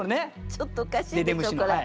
ちょっとおかしいでしょこれ。